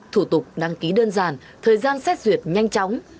thủ tục đăng ký đơn giản thời gian xét duyệt nhanh chóng